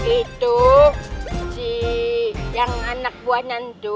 itu si yang anak buah nantu